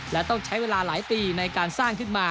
และต้องใช้เวลาหลายปีในการสร้างขึ้นมา